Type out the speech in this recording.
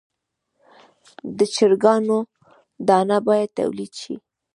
د چرګانو دانه باید تولید شي.